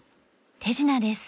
手品です。